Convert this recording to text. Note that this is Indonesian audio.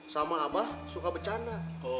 sama abah suka bercanda